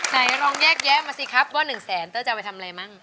นายลองแยกแย้วมาสิครับว่า๑แสนบาทเธอจะเอาไปทำอะไรบ้าง